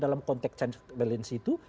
dalam konteks check balance itu